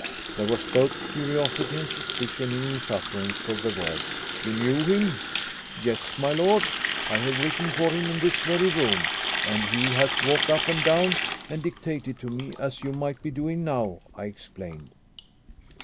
There was both curiosity and suspicion in his utterance of the word. "You knew him?" "Yes, my lord. I have written for him in this very room, and he has walked up and down, and dictated to me, as you might be doing now," I explained.